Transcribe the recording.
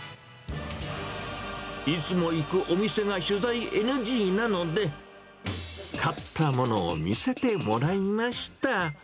いつも行くお店が取材ＮＧなので、買ったものを見せてもらいました。